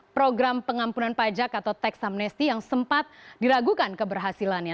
program pengampunan pajak atau teksamnesti yang sempat diragukan keberhasilannya